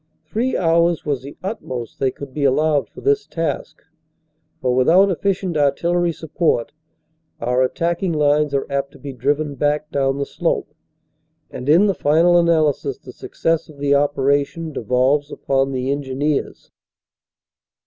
Three hours was the utmost they could be allowed for this task. For without efficient artillery support, our attacking lines are apt to be driven back 216 CANADA S HUNDRED DAYS down the slope, and in the final analysis the success of the operation devolves upon the engineers.